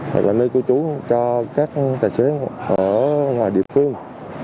và lấy của chú cho các tài xế ở ngoài địa phương